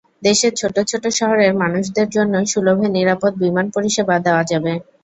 দেশের ছোট ছোট শহরের মানুষদের জন্যও সুলভে নিরাপদ বিমান পরিষেবা দেওয়া যাবে।